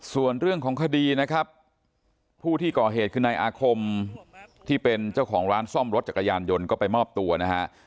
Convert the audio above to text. ส่วนเรื่องของคดีนะครับผู้ที่ก่อเหตุคือนายอาคมที่เป็นเจ้าของร้านซ่อมรถจักรยานยนต์ก็ไปมอบตัวนะฮะ